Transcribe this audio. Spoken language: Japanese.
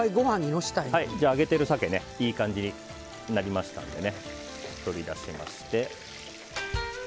揚げている鮭がいい感じになりましたので取り出しまして。